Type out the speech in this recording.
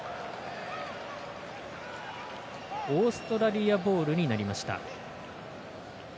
オーストラリアボールになりました。